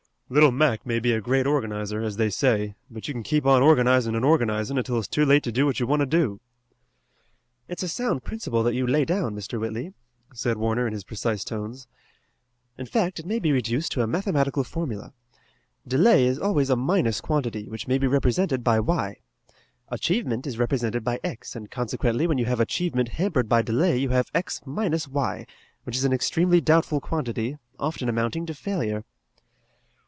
"Little Mac may be a great organizer, as they say, but you can keep on organizin' an' organizin', until it's too late to do what you want to do." "It's a sound principle that you lay down, Mr. Whitley," said Warner in his precise tones. "In fact, it may be reduced to a mathematical formula. Delay is always a minus quantity which may be represented by y. Achievement is represented by x, and, consequently, when you have achievement hampered by delay you have x minus y, which is an extremely doubtful quantity, often amounting to failure."